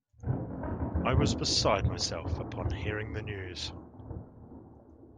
I was beside myself upon hearing the news.